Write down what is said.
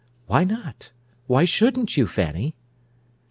"Why not? Why shouldn't you, Fanny?"